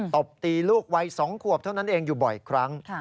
ตบตีลูกวัย๒ขวบเท่านั้นเองอยู่บ่อยครั้ง